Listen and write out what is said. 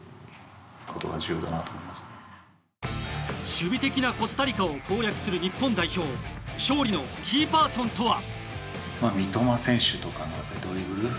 守備的なコスタリカを攻略する日本代表勝利のキーパーソンとは？